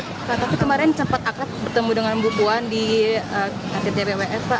tapi kemarin cepat akrab bertemu dengan bukuan di rktbwf pak